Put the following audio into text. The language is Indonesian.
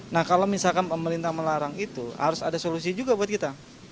nah kalau misalkan pemerintah melarang itu harus ada solusi juga buat kita